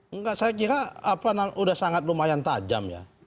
enggak saya kira sudah sangat lumayan tajam ya